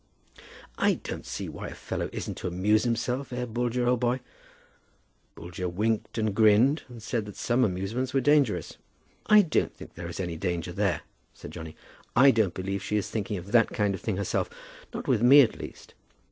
"I don't see why a fellow isn't to amuse himself, eh, Boulger, old boy?" Boulger winked and grinned, and said that some amusements were dangerous. "I don't think that there is any danger there," said Johnny. "I don't believe she is thinking of that kind of thing herself; not with me at least.